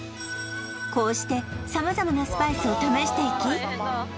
こうしてさまざまなスパイスを試していき